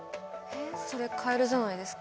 えっそりゃカエルじゃないですか？